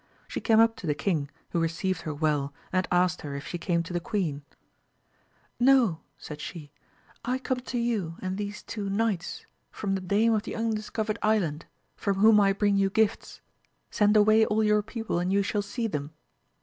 She came up to the king, who received her well, and asked her if she came to the queeni No^ 206 AMADIS OF GAUL. said she, I come to you, and these two knights from the Dame of the Undiscovered Island, from whom I bring you gifts, send away all your people, and you shall see them.